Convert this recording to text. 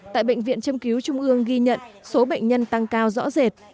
tại bệnh viện châm cứu trung ương ghi nhận số bệnh nhân tăng cao rõ rệt